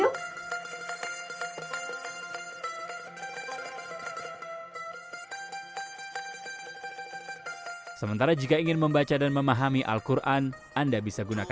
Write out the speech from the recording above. assalamualaikum teman teman kita sholat dulu yuk